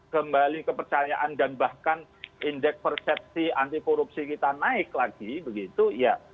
kembali kepercayaan dan bahkan indeks persepsi anti korupsi kita naik lagi begitu ya